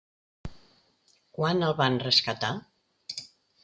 Quan el van rescatar?